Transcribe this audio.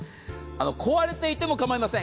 壊れていても構いません